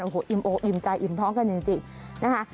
โอ้โหอิ่มโออิ่มใจอิ่มท้องกันจริงนะคะ